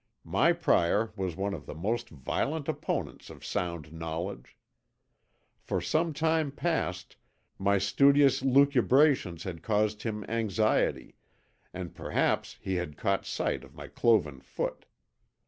My prior was one of the most violent opponents of sound knowledge. For some time past my studious lucubrations had caused him anxiety, and perhaps he had caught sight of my cloven foot.